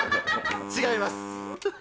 違います。